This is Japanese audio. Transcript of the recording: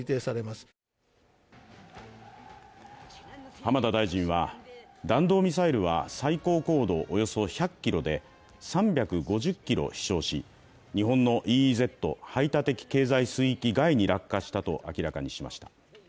浜田防衛大臣は弾道ミサイルは最高高度およそ１００ｋｍで３５０ｋｍ飛しょうし日本のＥＥＺ＝排他的経済水域外に落下したと明らかにしました。